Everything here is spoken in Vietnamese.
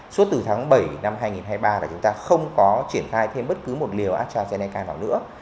suốt từ tháng bảy năm hai nghìn hai mươi ba là chúng ta không có triển khai thêm bất cứ một liều astrazeneca nào nữa